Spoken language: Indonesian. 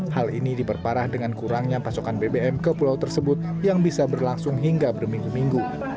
hal ini diperparah dengan kurangnya pasokan bbm ke pulau tersebut yang bisa berlangsung hingga berminggu minggu